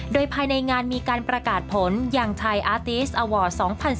โดยภายในงานมีการประกาศผลอย่างชายอาติสอวอร์๒๐๑๙